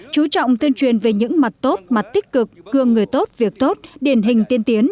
chú trọng tuyên truyền về những mặt tốt mặt tích cực cương người tốt việc tốt điển hình tiên tiến